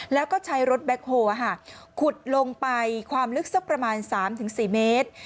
แล้วก็ใช้รถแบ็คโฮลขุดลงไปความลึกสักประมาณ๓๔เมตร